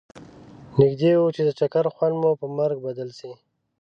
نږدي و چې د چکر خوند مو پر مرګ بدل شي.